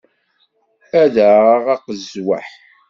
Ad d-aɣeɣ aqezwaḥ.